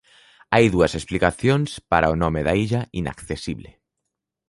Hai dúas explicacións para o nome da illa "inaccesible".